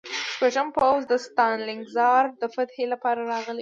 شپږم پوځ د ستالینګراډ د فتحې لپاره راغلی و